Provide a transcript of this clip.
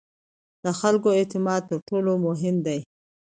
د خلکو اعتماد تر ټولو مهم دی